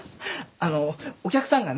あのお客さんがね